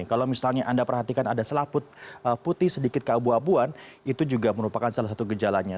kalau misalnya anda perhatikan ada selaput putih sedikit keabu abuan itu juga merupakan salah satu gejalanya